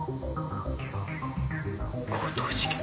強盗事件？